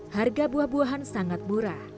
harga buah buahan sangat murah